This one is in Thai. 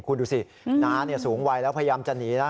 คุณดูสิน้าสูงวัยแล้วพยายามจะหนีนะ